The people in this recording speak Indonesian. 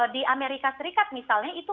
di amerika serikat misalnya itu